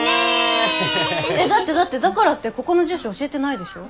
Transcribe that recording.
だってだってだからってここの住所教えてないでしょ？